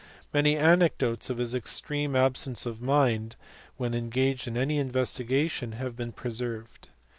Many anecdotes of his extreme absence of mind when engaged in any investigation have been preserved.